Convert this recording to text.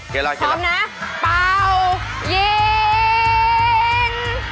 ฉันนะได้๑๐๐๐๐นะอ๋อไปกันนะยืน